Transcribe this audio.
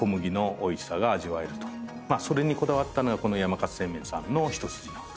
それにこだわったのがこの山勝製麺さんの一筋縄と。